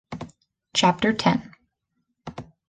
Chapter ten.